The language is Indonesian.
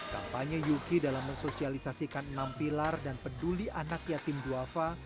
kampanye yuki dalam mensosialisasikan enam pilar dan peduli anak yatim duafa